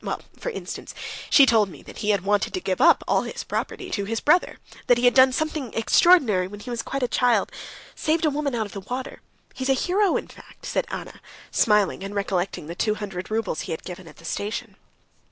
Well, for instance, she told me that he had wanted to give up all his property to his brother, that he had done something extraordinary when he was quite a child, saved a woman out of the water. He's a hero, in fact," said Anna, smiling and recollecting the two hundred roubles he had given at the station.